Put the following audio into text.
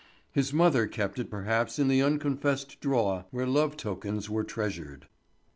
His mother kept it perhaps in the unconfessed drawer where love tokens were treasured.